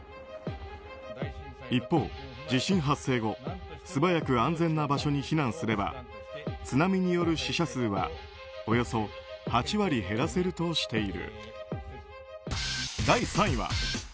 一方、地震発生後素早く安全な場所に避難すれば津波による死者数はおよそ８割減らせるとしている。